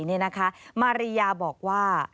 นี่นะคะมาริยาบอกว่า